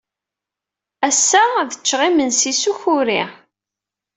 Ass-a, d ččeɣ imensi s ukuri.